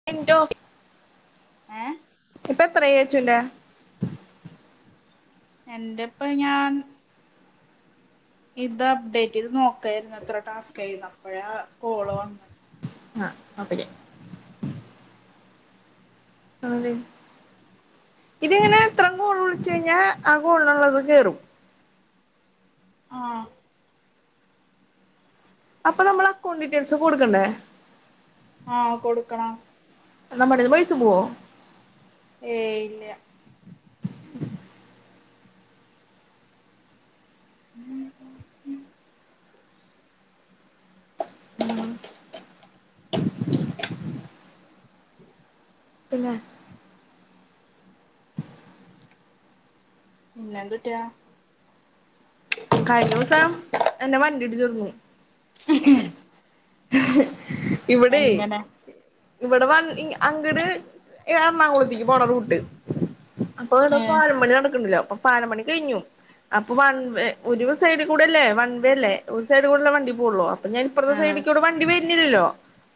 [unintelligible] ഏഹ് ഇപ്പൊ എത്ര ഏജ്ണ്ട് എന്റെ ഇപ്പോ ഞാൻ ഇത് അപ്ഡേറ്റ്ത് നോക്കായിരുന്നു എത്ര ടാസ്ക്യിരുന്നു അപ്പോഴാ കോള വന്ന ആഹ അപ്പ അതെ ഇതങ്ങനെ ഇത്രയും കോൾ വിളിച്ച കഴിഞ്ഞാൽ ആ കോളുള്ളത് കേയറും ആഹ അപ്പൊ നമ്മൾ അക്കൗണ്ട് ഡീറ്റെയിൽസ് കൊടുക്കണ്ടേ ആഹ കൊടുക്കണം. നമ്മുടെന്ന് പയസ് പോവോ ഏ ഇല്ല ഉം ഉ ഉം [inaudible] പിന്നെ പിന്നെന്തട്ടാ കഴിഞ്ഞ ദിവസം എന്നെ വണ്ടി ഇടിച്ചിരുന്നു. ഉം. ഇവിടെ എങ്ങനെ ഇവിടെ വ അങ്ങടെ എറണാകുളത്തേക്ക് പോകണ റൂട്ട് അപ്പൊ ഇവിടെ ഏ പാലം പണി നടക്കുന്നുണ്ടല്ലോ അപ്പൊ. പാല മണി കഴിഞ്ഞു അപ്പൊ വൺവേ ഒരു സൈഡ് കൂടെല്ലേ വൺവേ അല്ലേ ഒരു സൈഡ് കൂടെല്ല വണ്ടി അപ്പ ഞാൻ ഇപ്രത്ത ആഹ് സൈഡി ല്ലോ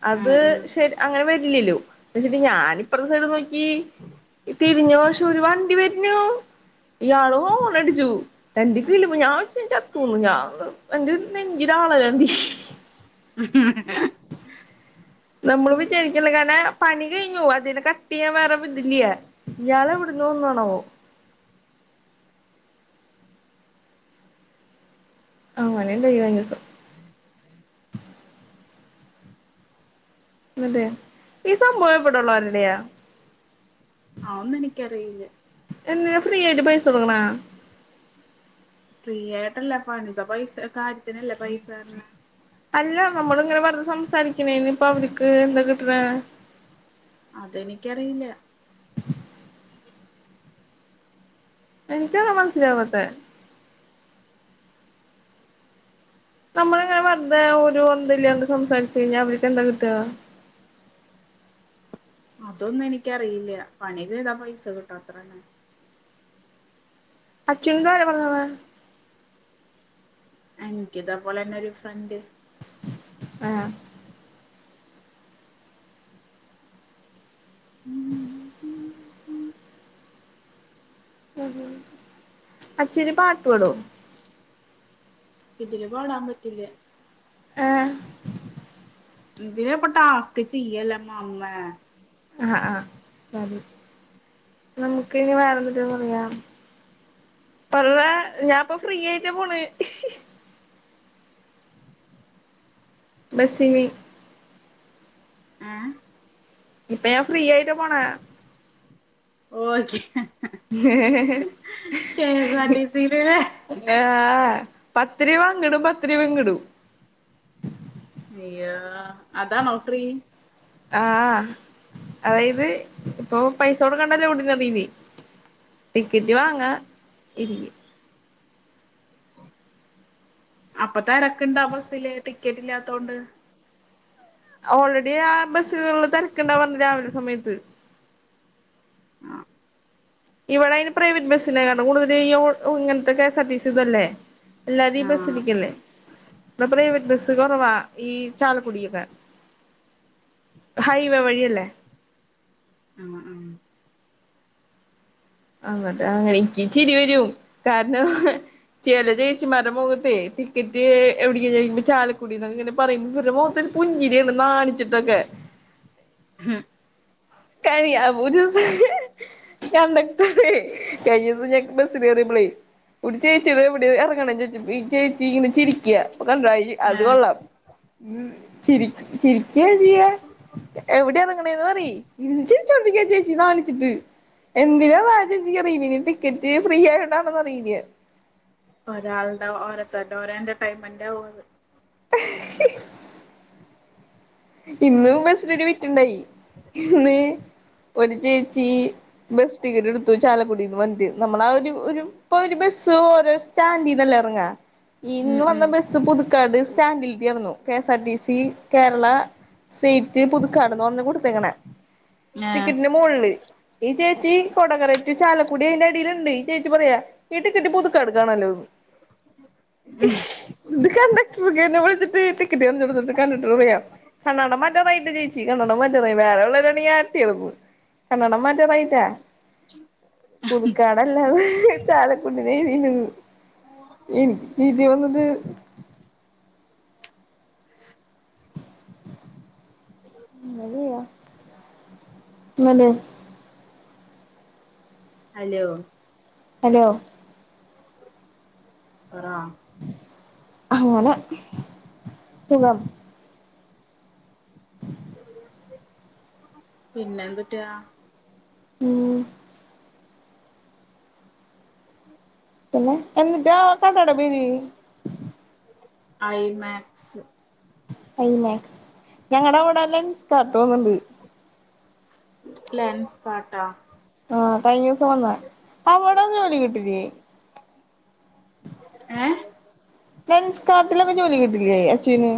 അത് ആഹ് ആഹ് അങ്ങനെ വരില്ലല്ലോ വെച്ചിട്ട് ഞാൻ ഇപ്രത്തെ സൈഡിൽനോക്ക് ഈ തിരിഞ്ഞോ [unintelligible] ഒരു വണ്ടി വരഞ്ഞു ഇയാളോ ഓണടിച്ചു എന്റെ കിളി പോയു ഞാൻ [unintelligible] ത്തന്നു ഞാ എന്റെ നെഞ്ചിരാളല്ല [unintelligible] ഉ. നമ്മള് വിചാരിക്കില്ല കാരണം പണി കഴിഞ്ഞു അതിനെ കട്ട് ചെയ്യാൻ വേറെ ഇതില്ലയ [unintelligible] ഇയാളെ എവിടുന്ന വന്നാണവോ. ആനെന്തഞ്സം അതെ ഈ സംഭവം എവിടെയുളള വരുടെയ. അതൊന്നും എനിക്കറിയില്ല. എന്തിന ഫ്രീ ആയിട്ട് പൈസ കൊടുക്കണോ. ഫ്രീ ആയിട്ടല്ല പണിത പൈസ കാര്യത്തിനല്ലേ പൈസ തരണെ. അല്ല നമ്മള ഇങ്ങനെ പറെറു സംസാരിക്കണന് ഇപ്പൊ അവക്ക് എന്താ കിട്ടണ അതെനിക്കറിയില്ല. എനക്ക് അതാ മനസിലാകത്തെ നമ്മളിങ്ങനെ വെറുതെ ഒരു അന്തല്ലാണ്ട് സംസാരിച്ചു കഴിഞ്ഞാൽ അവർക്ക് എന്താ കിട്ടു ക. അതൊന്നും എനിക്കറിയില്ല പണി ചെയ്താ പൈസ കിട്ടും അത്രന്നെ. അ ചിന്ത [unintelligible] [unintelligible] എനിക്ക് ഇതപലെന്നെ ഒരു ഫ്രണ്ട് ആഹ. [inaudible] ഉ അച്ചു ഒരു പാട്ട് പടോ? ഇതില് പാടാൻ പറ്റില്ല. ഹേ [unintelligible] ആഹ് ആഹ് നമുക്ക് ഇനി വേറെന്തിട്ടന്ന് പറയാം. പല്ല ഞാൻ ഇപ്പ ഫ്രീ ആയിട്ട് പോണ്. ബസിൻ ആഹ് ഇപ്പൊ ഞാൻ ഫ്രീ ആയിട്ട് പോണെ. ഓക്ക. ഉ ഏഹ് എസ് ആർ ടി സി യില് ആഹ് പത്തുരുവ അങ്ങിടും പത്തുരുവ ഇങ്ങടും. അയ്യ അതാ നോട്ടറി. ആഹ് അതായത് ഇപ്പൊ പൈസ കൊടുക്കണ്ടല്ലേ ഓർഡിനറിയിൽ. ടിക്കറ്റ് വാങ്ങ ഇരിക്ക. അപ്പ തിരക്ക് ഉണ്ടാ ബസ്സില് ടിക്കറ്റ് ഇല്ലാത്തോണ്ട്. ഓൾറെഡി ആ ബസ്സുകളിൽ തിരക്കുണ്ട് രാവിലെ സമയത്ത്. ആഹ് ഇവിടെ അതിന് പ്രൈവറ്റ് ബസ്സിലാ കയറുന്നത് കൂടുൽ ഇങ്ങനത്തെ K S R T C ഇതല്ലേ. എല്ലാത ബസ്സ ആഹ് ഇരിക്കല്ലേ അപ്പ പ്രൈവറ്റ് ബസ് കുറവാ ഈ ചാലക്കുടിയൊക്കാ ഹൈവേ വഴിയല്ലേ. ആഹ് ആഹ് അങ്ങട്ടെ അങ്ങനെ എനിക്ക് ചിരി വരും കാരണം. ചില ചേച്ചിമാരടെ മൊകത്തെ ടിക്കറ്റ് എവിടെക്ക ചൊയ്ക്കുമ്പോ ചാലക്കുടി എന്നങ്ങനെ പറുയുമ്പോ അവർടെ മൊകത്ത് പുഞ്ചിരിയാണ് നാണിച്ചിട്ടൊക്കെ ഉം കനിയ [unintelligible] കണ്ടക്ടർ കഴിഞ്ഞ ദിവസം ഞങ്ങ ബസ്സിൽ കയറിയപ്പൊളെ ഒരു ചേച്ചിയൊട് എവിടെയാ എറ കണ്ണൻ ചൊച്ച പൊ ഈ ചേച്ചി ഇങ്ങനെ ചിരിക്ക കണ്ട അത് ഏ കൊള്ളാം ഉം ചിരി ചിരിക്കയാ ചെയ്യ എവിടെയാ ഇറങ്ങനെന്ന് പറി ഇരന്ന് ചിരിച്ചൊണ്ടിരിക്ക ചേച്ചി നാണിച്ചിട്ട് എന്തിനാന്ന് ആ ചേച്ചിക്ക് അറയില്ല ഇനി ടിക്കറ്റ് ഫ്രീ ആയിട്ടാണോന്ന് അറിയില്ല ഒരാളുടെ ഓരതരുടെ ഓര എന്റർടൈൻ മെന്റ് ആവും അത് [inaudible] ഇന്നും ബസ്സിലിരു വിട്ടുണ്ടായി ഇന്ന് ഒരു ചേച്ചി ബസ് ടിക്കറ്റ് എടുത്തു ചാലക്കുടിന്ന് വന്നിട്ട് നമ്മള ആ ഒരു ഒരു ഇപ്പൊ ഒരു ബസ് ഓരോ സ്റ്റാൻഡ് അല്ലെ ഇറങ്ങ ഉം ഇന്ന് വന്ന ഉം ബസ്സ് പുതുക്കാട് സ്റ്റാൻഡിലത്തി യാറന്ന് K S R T C Kerala seat പുതുക്കാടന്ന് പറഞ്ഞ് കൊടുത്തകണെ ഏ ടിക്കറ്റിന്റെ മോളില് ഈ ചേച്ചീ കൊടകര റ്റു ചാലക്കുടി അയിന്റെ അടിൽ ഇണ്ട് ഈ ചേച്ചി പറയാ ഈ ടിക്കറ്റ് പുതു കടക്കാണല്ലോ ഉം ഇത് കണ്ടടർ ന്നെ വിളിച്ചിട്ട് ടിക്കറ്റ് കാണിച്ചപൊ കണ്ടടർ പറയാ കണ്ണട മാറ്ററായിട്ട് ചേച്ചി കണ്ണട മാറ്റാറായി വേറെ ഉള്ളവരാണെ ആട്ടി യാളകും കണ്ണട പറ്റാറായിട്ടാ പുതുക്കാടല്ലാത ചാലകുടി [unintelligible] എനിക്ക് ചിരിവന്നത് ഇന്നലെ ഹലോ ഹലോ പറ അങ്ങനെ സുഖം പിന്നെന്തൂട്ടാ ഉം [inaudible] പിന്നെ എന്നിട്ടാ [unintelligible] ഐ മാക്സ് ഐ മാക്സ് ഞങ്ങടെ അവടെ ലെൻസ്കാർട്ട് വന്ന്ണ്ട് ലെൻസ് കാർട്ടാ ആഹ് കഴിഞ്ഞ ദിവസം വന്ന് അവിടൊന്നും ജോലി കിട്ടില്ലെ ഏ ലെൻസ് കാർട്ടിലൊക്കെ ജോലി കിട്ടില്ലേ അച്ചൂന്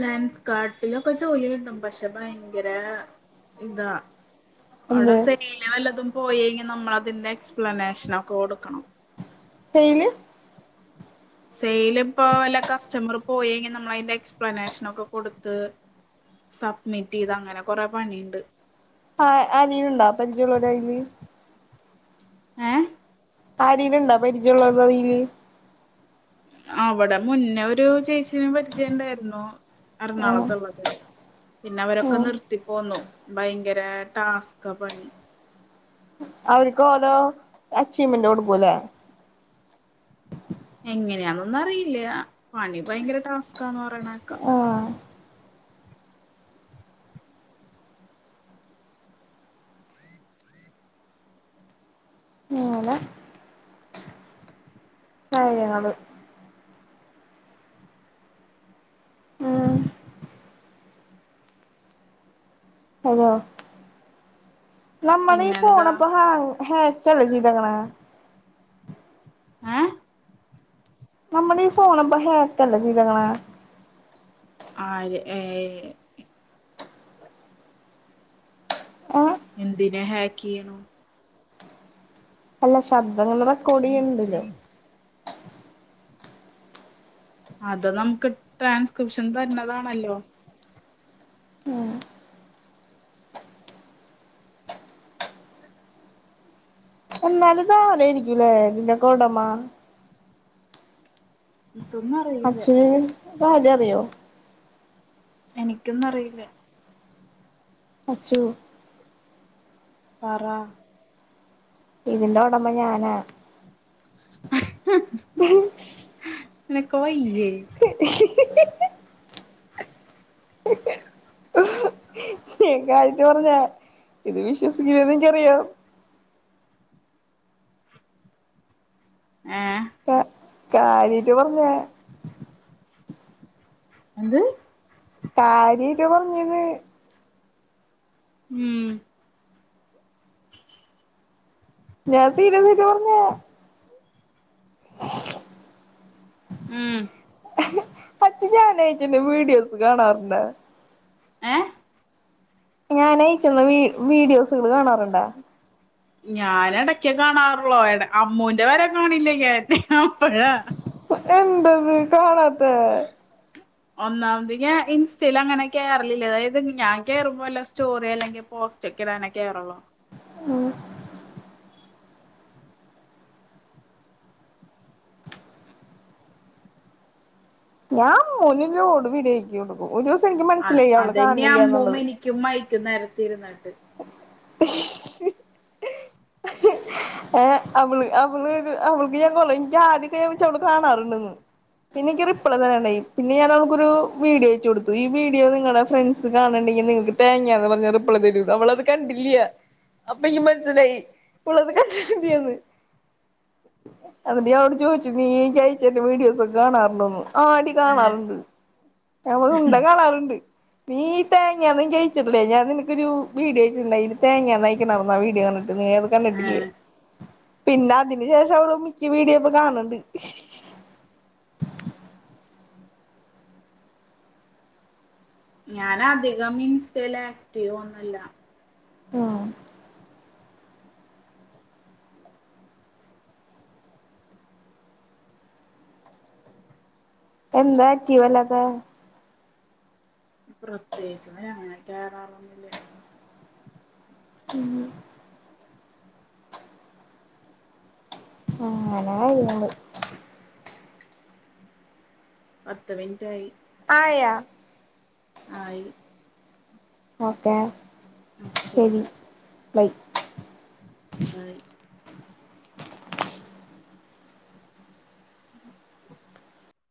ലെൻസ് കാർട്ടിലൊക്കെ ജോലി കിട്ടും പക്ഷെ ഭയങ്കര ഇതാ അവിടെ എന്ത് സെല്ലില് വല്ലതും പോയേഴ്ങ്കി നമ്മളതിന്റെ എക്സ്പ്ലനേഷനൊക്കെ കൊടുക്കണം സെയില് സെയില് ഇപ്പോ വല്ല കസ്റ്റമറ് പോയേങ്കി നമ്മളതിന്റെ എക്സ്പ്ലനേഷനൊക്കെ കൊടുത്ത് സബ്മിറ്റെയ്ത് അങ്ങനെ കൊറെ പണിയുണ്ട് ആഹ് അനിയനുണ്ട പരിചയുള്ള ഒരെയില് ഏഹ് ആരേലുണ്ടാ പരിചയുള്ള [unintelligible] അവടെ മുന്നെ ഒരു ചേച്ചിനെ പരിചയണ്ടായിരുന്നു ആ എറണാകുളത്തുള്ളത് പിന്നെ ആ അവരൊക്കെ നിർത്തി പോന്നു ഭയങ്കര ടാസ്ക്കാ പണി അവര്ക്കോരോ അച്ചീവ്മെന്റ് കൊടുക്കൂലേ എങ്ങനെയാന്നൊന്നും അറിയില്ല പണി ഭയങ്കര ടാസ്കാന്ന് പറയണേക്കാം ആ എങ്ങനെ കാര്യങ്ങള് ഉം ഹലോ നമ്മളീ പിന്നെന്താ ഫോണ് ഇപ്പൊ ഹാ ഹാക്കല്ലെ ചെയ്ത്ക്ക്ണേ ഏ നമ്മളീ ഫോണിപ്പോ ഹേക്കല്ലേ ചെയ്ത്ക്ക്ണ് ആര് ഏ ഏ ഏ എന്തിനാ ഹേക്കയ്യ്ണു അല്ല ശബ്ദം ഇങ്ങനെ റെക്കോഡിയ്യ്ണ്ടല്ലോ അത് നമ്ക്ക് ട്രാൻസ്ക്രിപ്ഷൻ തര്ന്നതാണല്ലോ എന്നാലും ഇതാരായിരിക്കും ല്ലെ ഇതിന്റൊക്കെ ഒടമ ഇതൊന്നറി അച്ചുവെ ഇതാരാ അറിയോ എനിക്കൊന്നും അറിയില്ല അച്ചൂ പറ ഇതിന്റെ ഒടമ ഞാനാ [unintelligible] ഉഹും നിനക്ക് വയ്യേ ഞാൻ കാര്യാത്ത് പറഞ്ഞ ഇത് വിശ്വസിക്കൂലന്നിൻക്കറിയാം ഏ പ്പ കാര്യായായിട്ട് പറഞ്ഞാ ന്ത് കാര്യായിട്ട് പറ്ഞ്ഞത് മ് ഞാൻ സീര്യസായിറ്റ് പറ്ഞ്ഞ മ് അച്ച ഞാൻ അയച്ചന്ന വീഡിയോസ് കാണാറ്ണ്ടൊ ഏ ഞാനയ്ച്ചന്ന വീ വീഡിയോസുകൾ കാണാറ്ണ്ടാ ഞൻ എടക്കെ കാണാറുള്ളോ എടെ അമ്മൂന്റെ വരെ കാണില്ല ഞാൻ അപ്പഴാ എന്തത് കാണാത്തെ ഒന്നാമത് ഞ ഇൻസ്റ്റേൽ അങ്ങനെ കേർലില്ല അതായത് ഞാൻ കേറുമ്പോല്ലോ സ്റ്റോറ്യോ അല്ലെങ്കി പോസ്റ്റ് ചിക്കിടാനേ കേറുള്ളു മ് ഞാൻ അമ്മൂൻ ഒര് ലോഡ് വിഡ്യോ അയക്കും ഒരു ദിവസം എനിക്ക് മനസ്സിലായി അവള് കാണ്ന്നില്ല ന്ന്ള്ളത് ക്കും മൈക്കുംന്നരത്തിര്ന്നട്ട് എന്നുള്ളത് ഏ അവള് അവള് അവൾക്ക് ഞാൻ കൊ എനിക്ക് ആദ്യൊക്കെ ഞാൻ വിച് അവള് കാണാർണ്ടന്ന് പിന്നെനിക്ക് റിപ്ലൈ തെരാണ്ടായി പിന്നെ ഞാൻ അവക്കൊരു വീഡിയോ അയച്കൊട്ത്തു ഈ വീഡിയോ നിങ്ങളെ ഫ്രണ്ട് ണ്ട് കാണണ്ടെങ്കി നിങ്ങക്ക് തേങ്ങാന്ന് പറഞ്ഞ റിപ്ലേ തരും അവളത് കണ്ടില്ല്യ അപ്പ നിക്ക് മൻസ്സിലായി ഓളത് കണ്ടിട്ടില്ല്യാന്ന് ന്നട്ട് ഞാൻ അവളോട് ചോയ്ച്ചു നീ എന്ക്കയച്ചെര്ണ വീഡിയോസൊക്കെ കാണാർണ്ടോന്ന് ആടി കാണാറ്ണ്ട് അവള് ഉണ്ട കാണാറ്ണ്ട് നീ തേങ്ങാന്ന് ന്ക്കയച്ചിട്ടില്ല ഞാൻ നിന്ക്കൊരു വീഡിയോ അയ്ച്ചിണ്ടായി ഇ തേങ്ങ നയിക്കണന്നാ വീഡിയോ ന്നർട്ട് നീ അത് കണ്ടിട്ടില്ലേ. ഏഹ് പിന്നെ അതിന് ശേഷം അവൾ മിക്ക വീഡിയോയും ഇപ്പം കാണ് ണ്ട്. ഞാൻ അധികം ഇൻസ്റ്റൽ ആക്റ്റീവ് ഒന്നല്ല. ആ എന്താ ആക്റ്റീവ് അല്ലാതെ പ്രത്യേകിച്ച് അങ്ങനെ കേറാറൊന്നില്ല. മ് അങ്ങന കയ്യ്ണ്ട്. പത്ത് മിന് റ്റായ് ആയാ. ആയി. ഓക്കെ ഓക്കെ ശരി ബൈ. ബൈ. [inaudible]